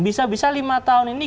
bisa bisa lima tahun ini